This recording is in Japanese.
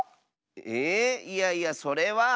えいえいやそれは。